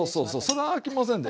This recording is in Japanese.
それあきませんで。